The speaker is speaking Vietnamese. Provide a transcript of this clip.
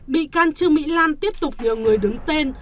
bị can trương mỹ lan tiếp tục nhờ người đứng tên